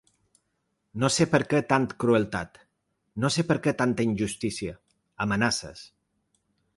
No sé perquè tant crueltat, no sé perquè tanta injustícia, amenaces.